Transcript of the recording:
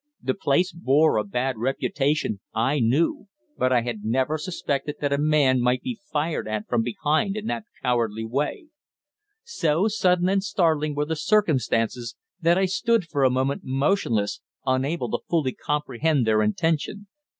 The place bore a bad reputation, I knew; but I had never suspected that a man might be fired at from behind in that cowardly way. So sudden and startling were the circumstances that I stood for a moment motionless, unable to fully comprehend their intention.